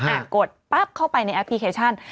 กดปั๊บเข้าไปในแอปพลิเคชัน